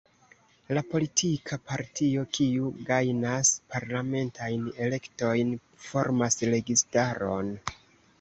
La politika partio, kiu gajnas parlamentajn elektojn, formas registaron.